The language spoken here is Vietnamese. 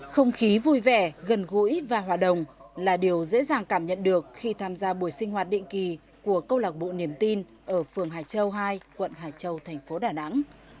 không khí vui vẻ gần gũi và hòa đồng là điều dễ dàng cảm nhận được khi tham gia buổi sinh hoạt định kỳ của câu lạc bộ niềm tin ở phường hải châu hai quận hải châu thành phố đà nẵng